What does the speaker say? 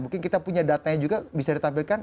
mungkin kita punya datanya juga bisa ditampilkan